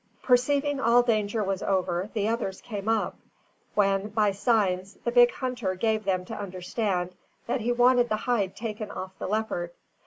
Perceiving all danger was over, the others came up; when, by signs, the big hunter gave them to understand that he wanted the hide taken off the leopard.